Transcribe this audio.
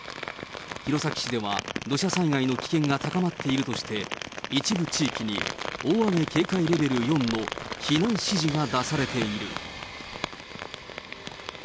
弘前市では土砂災害の危険が高まっているとして、一部地域に大雨警戒レベル４の避難指示が出されている。